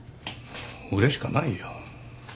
うれしかないよ。